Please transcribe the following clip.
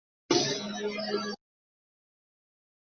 这种光圈的光学轴与光圈的机械中心不重合的光学系统。